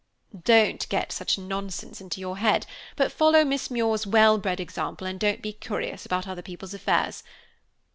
"Don't get such nonsense into your head, but follow Miss Muir's well bred example and don't be curious about other people's affairs.